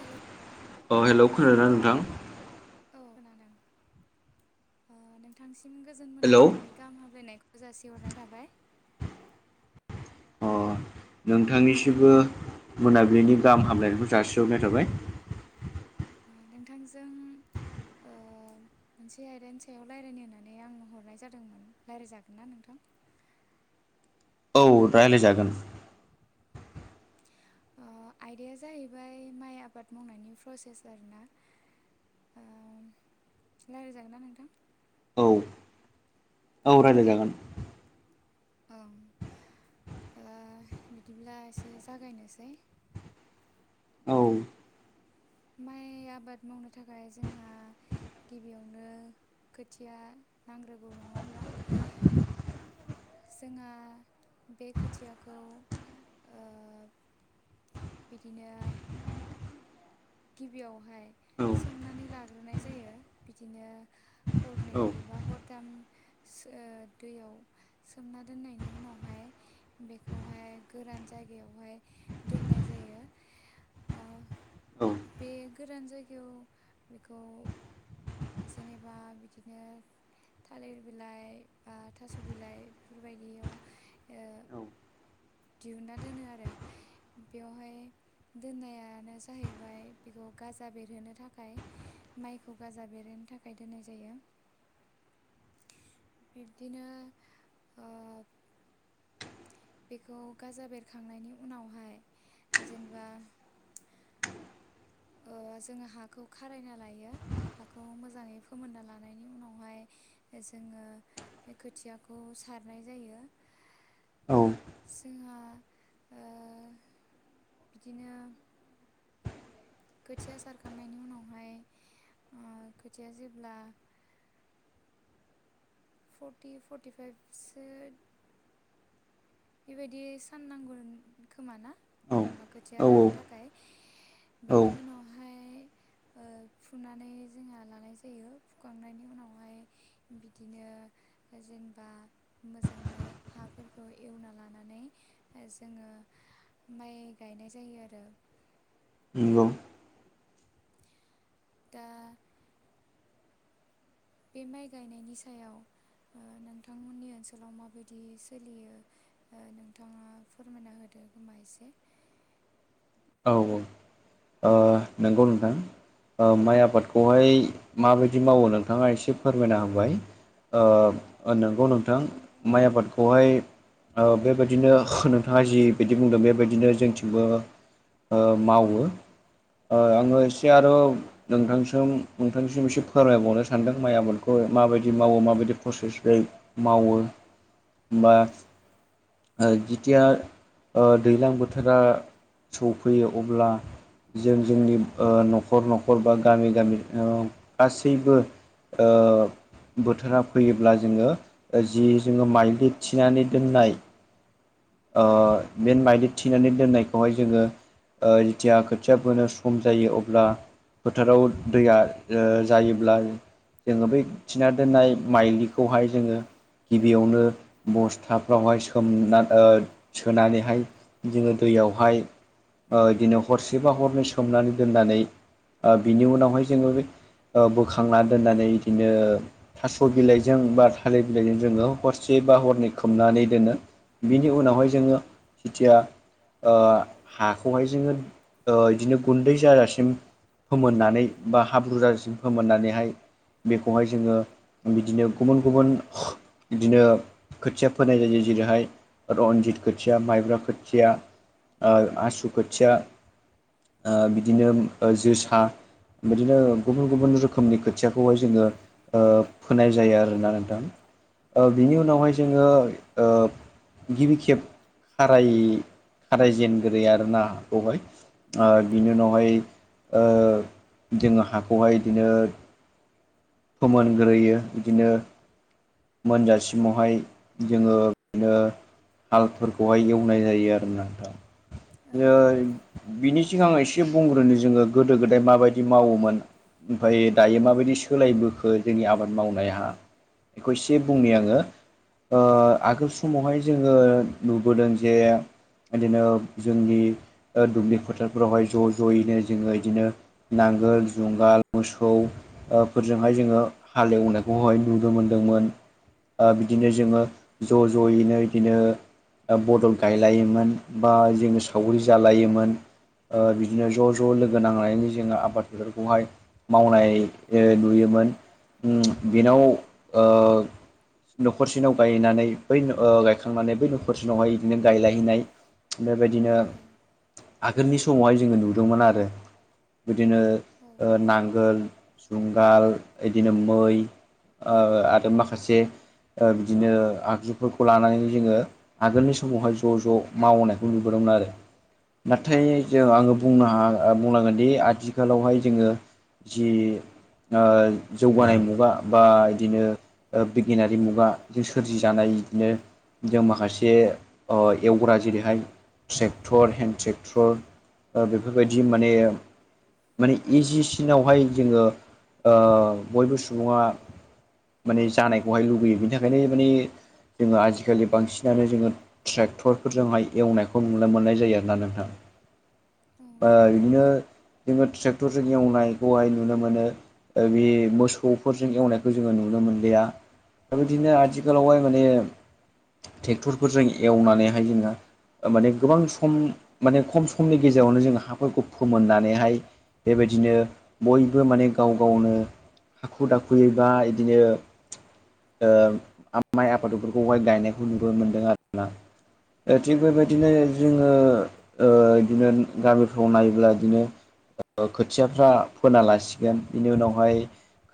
हेल' अ हेल' खोनादोंना नोंथां? औ खोनादों ओ नोंथांसिम गोजोन हेलौ मोनाबिलिनि अ गाहाम हामलायनायखौ जासिहरनाय थाबाय। अ नोंथांनिसिबो मोनाबिलिनि गाहाम हामलायनायखौ जासिहरनाय थाबाय। नोंथांजों ओ मोनसे आयदानि सायाव रायलायनो होननानै आं हरनाय जादोंमोन रायलायजागोनना नोंथां? औ रायलायजागोन। ओ आयदाया जाहैबाय माइ आबाद मावनायनि प्रसेस आरोना। ओ राय्लायजागोन ना नोंथां? औ औ राय्लायजागोन। ओं ओ बिदिब्ला एसे जागायनोसै। औ। माइ आबाद मावनो थाखाय जोंहा गिबियावनो खोथिया नांग्रोगौ नङा होमबा? जोंहा बे खोथियाखौ ओ बिदिनो गिबियावहाय सोमनानै लाग्रोनाय जायो बिदिनो हरनै औ बा हरथाम सो दैयाव सोमना दोननायनि उनावहाय बेखौहाय गोरान जायगायावहाय दोननाय जायो ओ बे गोरान जायगायाव बेखौ जेनेबा बिदिनो थालिर बिलाइ बा थास' बिलाइ बेफोरबायदियाव ओ दिहुनना दोनो आरो बेवहाय दोननायानो जाहैबाय बेखौ गाजा बेरहोनो थाखाय, माइखौ गाजा बेरहोनो थाखाय दोननाय जायो। बिब्दिनो ओ बेखौ गाजा बेरखांनायनि उनावहाय जेनेबा ओ जोङो हाखौ खारायना लायो हाखौ मोजाङै फोमोनना लानायनि उनावहाय जोङो बे खोथियाखौ सारनाय जायो। जोंहा ओ बिदिनो खोथिया सारखांनायनि उनावहाय ओ खोथिया जेब्ला फर्टि फर्टि फाइभसो बेबायदि सान नांगौ खोमा ना जेनेबा खोथिया औ राननो था खाय औ बेनि उनावहाय ओ फुनानै जोंहा लानाय जायो फुखांनायनि उनावहाय बिदिनो जेनेबा मोजाङै हाफोरखौ एवना लानानै जोङो माइ गायनाय जायो आरो। नंगौ। दा बे माइ गायनायनि सायाव ओ नोंथांमोननि ओनसोलाव माबायदि सोलियो ओ नोंथाङा फोरमायना होदो खोमा एसे। औ औ ओ नंगौ नोंथां। ओ माइ आबादखौहाय माबायदि मावो नोंथाङा एसे फोरमायना होबाय। ओ नोंगौ नोंथां माइ आबादखौहाय ओ बेबायदिनो नोंथाङा जिबायदि बुंदों बेबायदिनो जोंथिंबो ओ मावो ओ आङो औ एसे आरो नोंथांसिम नोंथांसिम एसे फोरमायबावनो सानदों माइ आबादखौ माबायदि मावो माबायदि प्रसेस जायो मावो बा औ जिथिया दैज्लां बोथोरा सौफैयो अब्ला जों जोंनि न'खर न'खर बा गामि गामि गासैबो ओ बोथोरा फैयोब्ला जोंङो जि जोंङो माइलि थिनानै दोननाय ओ ओं बे माइज्लि थिनानै दोननायखौहाय जोंङो ओ जेथिया खोथिया फोनो सम जायो अब्ला फोथाराव दैया ओ जायोब्ला जोङो बै थिना दोननाय माइलिखौहाय जोङो गिबियावनो बस्थाफ्रावहाय सोमना ओ सोनानैहाय जोङो दैयावहाय ओ इदिनो हरसेबा हरनै सोमनानै दोननानै ओ बिनि उनावहाय जोङो बोखांना दोननानै बिदिनो थास' बिलाइजों बा थालिर बिलाइजों जोङो हरसे बा हरनै खोमनानै दोनो। बिनि उनावहाय उम जोङो जिथिया। ओ हाखौहाय ओ इदिनो गुन्दै जाजासिम मोननानै बा हाब्रुजसिम मोननानैहाय बेखौहाय जोंङो बिदिनो गुबुन गुबुन बिदिनो खोथिया फोनाय जायो जेरैहाय रनजित खोथिया माइब्रा खोथिया ओ आसु खोथिया। ओ बिदिनो औ जोसा। बिदिनो गुबुन गुबुन रोखोमनि खोथियाखौहाय जोङो। ओ फोनाय जायो आरोना नोंथां बिनि उनावहाय उम जोंङो ओ। गिबि खेब खाराय खारायजेनगोरै आरो ना। अबाय ओ औ बिनि उनावहाय ओं ओ जोंङो हाखौहाय बिदिनो फोमोनग्रोयो बिदिनो मोनजासिमावहाय जोंङो बिदिनो हालफोरखौहाय एवनाय जायो आरो ना नोंथां ओं बिदिनो। बिनि सिगां एसे बुंग्रोनो जोङो गोदो गोदाय माबायदि मावोमोन? ओमफ्राय दायो माबायदि सोलायबोखो जोंनि आबाद मावनाया। फै एसे बुंनि ओं आङो। ओ आगोल समावहाय जोङो नुबोदों जे। बिदिनो जोंनि दुब्लि फोथारफोरावहाय ज' ज'यैनो जोंङो इदिनो। नांगोल जुंगाल मोसौ ओ फोरजोंहाय जोंङो हालेवनायखौहाय नुदोंमोन। नंगौमोन ओ बिदिनो उम जोंङो ज' ज'यैनो बिदिनो बदल गायलायोमोन बा जोंङो सावरि जालायोमोन उम ओ। बिदिनो उम ज' ज' लोगो नांनायनि जोंङो आबाद फोथारखौहाय मावनाय ओ नुयोमोन। ओम बेनाव ओ न'खरसेनाव गायनानै बै ओ गायखांनानै बै न'खरसेनावहाय बिदिनो गायलायनाय। बेबायदिनो औ आगोलनि समावहाय जोंङो नुदोंमोन आरो। बिदिनो औ ओ नांगोल जुंगाल इदिनो मै। ओ माखासे बिदिनो ओ आगजुफोरखौ लानानै जोंङो आगोलनि समावहाय ज' ज' मावनायखौ नुबोदोंमोन नाथाय उम जेराव आंओ बुंनो हा बुंनांगोनदि आथिखालावहाय जोंङो। जि ओ जौगानाय मुगा बा बिदिनोओ बिगियानारि मुगा सोरजि जानाय बिदिनो जों माखासे ओ एवग्रा जेरैहाय ट्रेक्टर हेन्दड ट्रेक्टर बेफोरबायदि माने माने इजिसिनावहाय जोङो ओ बयबो सुबुङा माने जानायखौहाय लुबैयो बिनि थाखायनो माने जोङो आजिखालि बांसिनानो जोङो ट्रेक्टरफोरजोंहाय एवनायखौ नुनो मोननाय जायो आरो ना नोंथां। औ ओ बिदिनो जोंङो ट्रेक्टरजों एवनायखौहाय नुनो मोनो ओ बे मोसौफोरजों एवनायखौ जोङो नुनो मोनलिया दा बिदिनो आथिखालावहाय माने ट्रेक्टरफोरजों एवनानैहाय जोङो। माने गोबां सम माने खम समनि गेजेरावनो जोंङो हाफोरखौ फोमोननानै बेहाय बेबायदिनो बयबो माने गाव गावनो हाखु दाखुयै। बा इदिनो ओ माइ आफादफोरखौहाय गायनायखौ नुुबनो मोनदों आरोना। ओ थिग बेबायदिनो जोंङो। ओ बिदिनो गामिफ्राव नायोब्ला इदिनो ओ खोथियाफ्रा फोना लासिगोन बिनि उनावहाय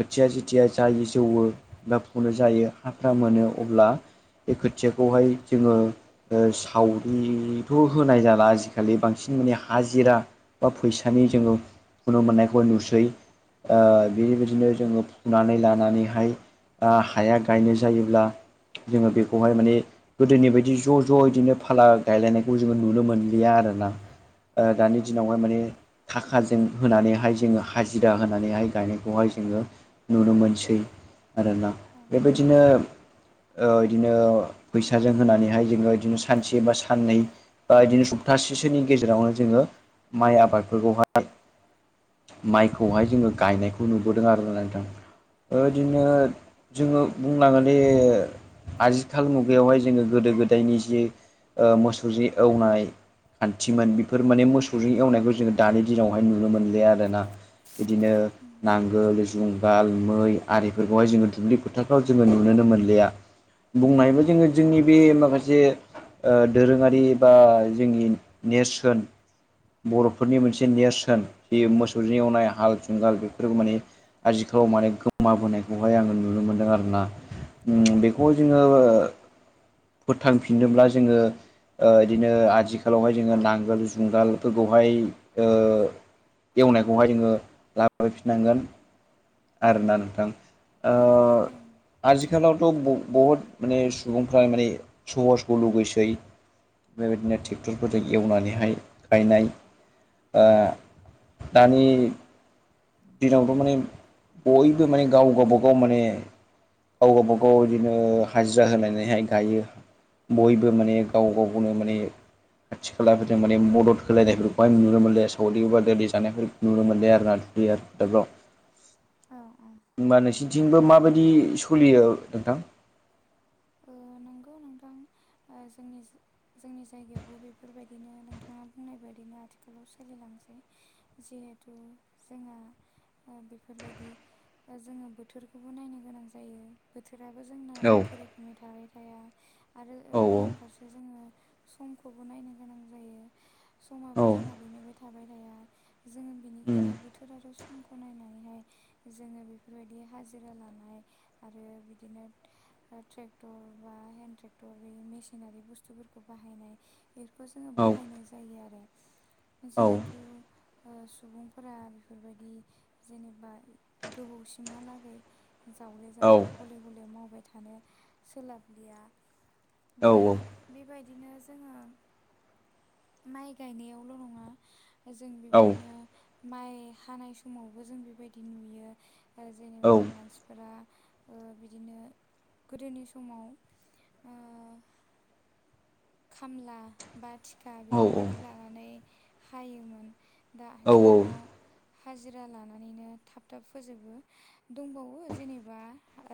खोथिया खुथिया जायो जौवो बा फनो जायो हाफ्रा मोनो अब्ला बे खोथियाखौहाय जोोङो ओ सावरिथ' होनाय जाला आजिखालि बांसिन माने हाजिरा बा फैसानि जोङो फुनो मोननायखौ नुसै ओ बेबायदिनो जोङो फुनानै लानानैहाय आ हाया गायनाय जायोब्ला जोङो बेखौहाय माने गोदोनि बायदि ज' ज' बिदिनो फाला गायलायनायखौ जोङो नुनो मोन गैया आरोना दानि दिनावहाय माने थाखाजों होनानैहाय जोङो हाजिरा होनानैहाय गायनायखौहाय जोङो नुनो मोनसै आरोना ओं बेबायदिनो ओ इदिनो फैसाजों होनानैहाय जोङो बिदिनो सानसे बा साननै दा इदिनो सप्तासेसोनि गेजेरावनो जोङो माइ आबाद फोरखौहाय माइखौहाय जोङो गायनायखौ नुबोदों आरो ना नोंथां ओ ओं इदिनो जोङो बुंलाङोन दे आजिखाल मुगायावहाय जोङो गोदो गोदायनि जि ओ मोसौ जि एवनाय खान्थिमोन बेफोर माने मोसौजों एवनायखौ जोङो दानि दिनावहाय नुनो मोनलि आरो ना बिदिनो नांगोल जुं गाल मै आरिफोरखौहाय जों दुब्लि फोथारफ्राव जों नुनोनो मोनलिआ [unintelligible] जोङो औ जोंनि बे माखासे ओ दोरोङारि बा जोंनि नेरसोन बर'फोरनि मोनसे नेरसोन जि मोसौजों एवनाय हाल जुंगाल बेफोर माने आजिखालाव माने गोमाबोनायखौहाय आङो नुनो मोनदों आरोना उम बेखौ जोङो फोथांफिननोब्ला जोङो ओ इदिनो आथिखालावहाय जोङो नांगोल जुंगालफोरखौहाय ओ एवनायखौहाय जोङो लाबोफिननांगोन आरोना नोंथां ओ ओं आजिखालावथ' ब-बहुद माने सुबुंफ्रा माने सहसखौ लुगैसै बेबायदिनो ट्रेक्टरफोरजों एवनानैहाय गायनाय ओ दानि दिनावथ' माने बयबो माने गाव गावबागाव माने गाव गावबागाव इदिनो हाजिरा होनानैहाय गायो बयबो माने गाव गावखौनो माने खाथि खालाफोरजों माने मदद होलायनायफोरखौहाय नुनो मोनले सावरि बादालि जानायफोर नुनो मोनले आरो ना [unintelligible] औ औ होनबा नोंसोरनिथिंबो ओ माबायदि सलियो नोंथां? ओ नंगौ नोंथां ओ जोंनि जोंनि जायगायावबो बेफोरबायदिनो नोंथाङा बुंनाय बायदिनो आथिखालाव सोलिलांसै जिहेथु जोङो ओ बेफोरबायदि ओ जोङो बोथोरखौबो नायनो गोनां जायो। बोथोराबो जोंना एखे रोखोमै थाबाय थाया आरो ओ औ औ गुबुन फारसे जोङो समखौबो नायनो गोनां जायो औ समाबो जोङा बेनोबो थाबाय थाया जोङो बेनिखायनो उम बोथोर आरो समखौ नायनानैहाय जोङो बेफोरबायदि हाजिरा लानाय आरो बिदिनो ट्रेट ट्रेक्टर बा हेन्दड ट्रेक्टर बे मेसिनारि बुस्थुफोरखौ बाहायनाय बेखौ जोङो औ बाहायनाय जायो आरो औ जिहेथु ओ सुबुंफोरा बेफोरबायदि जेनेबा गोबावसिमहालागै जावले औ जावले गले गले मावबाय थानो सोलाबलिया औ दा बेबायदिनो जोङो माइ गायनायावल' नङा जों बेबायदिनो माइ हानाय समावबो जों बेबायदि नुयो‌ ओ जेनेबा औ मानसिफोरा ओ बिदिनो गोदोनि समाव ओ खामला बा थिखा औ बेफोरबायदि लानानै हायोमोन। दा औ औ आथिखालाव हाजिरा लानानैनो थाब थाब फोजोबो दंबावो जेनेबा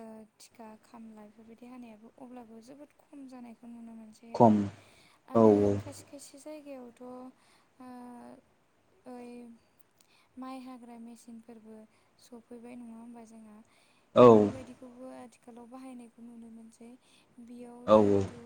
ओ थिखा खामला बेफोरबायदि हानायाबो अब्लाबो जोबोद खम जानायखौ नुनो मोनसै। खम औ आरो खायसे खायसे जायगायावथ' ओ ओइम माइ हाग्रा मेसिनफोरबो सफैबाय नङा होमबा जोंहा? औ बेफोरबायदिखौबो आथिखालाव बाहायनायखौ नुनो मोनसै बियाव जिहेथु औ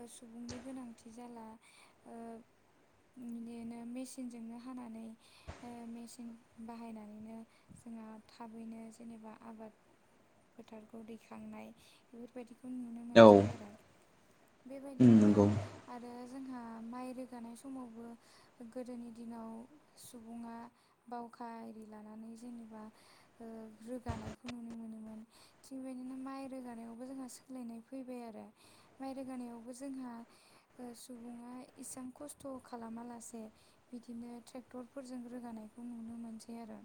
ओ सुबुंनि गोनांथि जाला ओ बिदिनो मेसिनजोंनो हानानै ओ मेचिन बाहायनानैनो जोंहा थाबैनो जेनेबा आबाद फोथारखौ दैखांनाय बेफोरबायदि खौ नुनो औ मोनसै आरो। बायदिनो नंगौ आरो जोंहा माइ रोगानाय समावबो गोदोनि दिनाव सुबुङा बावखा आरि लानानै जेनेबा ओ रोगानायखौ नुनो मोनोमोन। थिगबेदिनो माइ रोगानायावबो जोंहा सोलायनाय फैबाय आरो माइ रोगानायाव बो जोंहा ओ सुबुङा इसांखस्थ' खालामा लासे बिदिनो ट्रेक्टरफोरजों रोगानायखौ नुनो मोनसै आरो।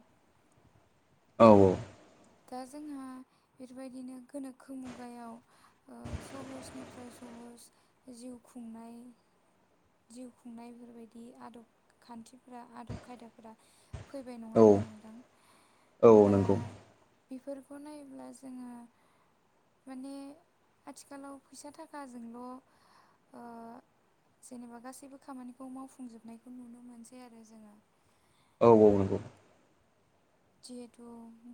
औ। दा जोंहा फिरबायदिनो गोनोखो मुगायाव ओ सहसनिफ्राय सहस जिउ खुंनाय जिउ खुंनाय बेफोरबायदि आदब खान्थिफोरा आदब खायदाफोरा फैबाय नङा औ होनबा नोंथां औ दा नंगौ बिफोरखौ नायोब्ला जोङो माने आथिखालाव फैसा थाखाजोंल' ओ जेनेबा गासैबो खामानिखौ मावफुंजोबनायखौ नुनो मोनसै आरो जोङो। औ औ नोंगौ। जिहेथु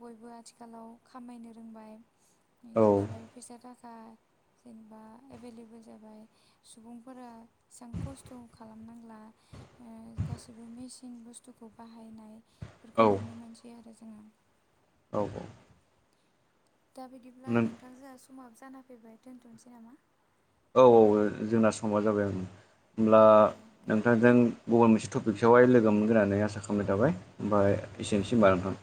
बयबो आथिखालाव खामायनो रोंबाय औ बिनिफ्राय फैसा थाखा जेनबा एभेलेबोल जाबाय। सुबुंफोरा एसां खस्थ' खालामनांला ओ गासिबो मेसिन बुस्थुखौ बाहायनाय फोरखौ औ नुनो मोनसै आरो जोङो। औ औ। दा बिदिब्ला नों नोंथां जोआ समाब जाना फैबाय दोनथ'नोसै नामा? औ औ जोंना समा जाबाय उम उमब्ला औ दे नोंथांजों गुबुन मोनसे टपिकसआवहाय लोगो मोनगोन होननानै आसा खामनाय थाबाय ओमफ्राय औ एसेनोसै होनबा नोंथां?